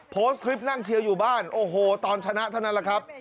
โพสต์คลิปนั่งเชียร์อยู่บ้านโอ้โหตอนชนะเท่านั้นแหละครับ